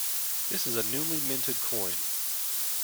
This is a newly minted coin.